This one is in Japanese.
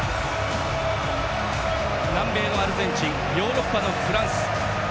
南米のアルゼンチンヨーロッパのフランス。